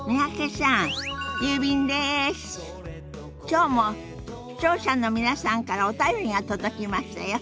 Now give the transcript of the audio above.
きょうも視聴者の皆さんからお便りが届きましたよ。